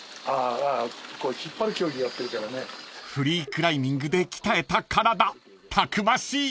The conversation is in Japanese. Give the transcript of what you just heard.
［フリークライミングで鍛えた体たくましい！］